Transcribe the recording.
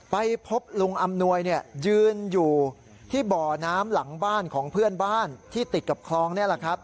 ไปพบลุงอำนวยยืนอยู่ที่บ่อน้ำหลังบ้านของเพื่อนบ้านที่ติดกับคลองนี่แหละครับ